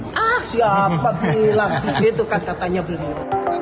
ah siapa bilang itu kan katanya beliau